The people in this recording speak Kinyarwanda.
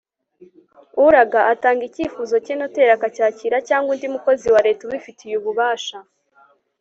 uraga atanga icyifuzo cye, noteri akacyakira cyangwa undi mukozi wa leta ubifitiye ububasha